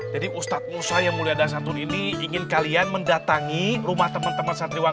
jadi ustadz musa yang mulia dah satu ini ingin kalian mendatangi rumah teman teman santriwan